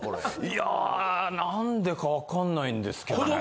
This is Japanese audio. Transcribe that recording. いやなんでか分かんないんですけどね。